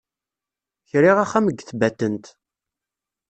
Kriɣ axxam deg Tbatent.